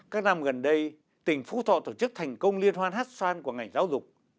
các năm gần đây tỉnh phú thọ tổ chức thành công liên hoan hét xoan của ngành giáo dục